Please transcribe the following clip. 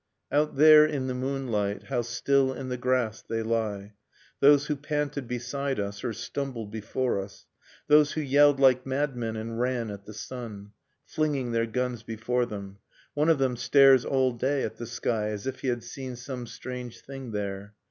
Out there, in the moonlight, How still in the grass they lie, Those who panted beside us, or stumbled before us, Those who yelled like madmen and ran at the sun. Flinging their guns before them. One of them stares all day at the sky As if he had seen some strange thing there.